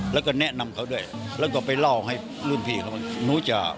แล้วก็แนะนำเขาด้วยแล้วก็ไปเล่าให้รุ่นพี่เขารู้จัก